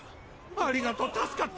ありがとう助かった！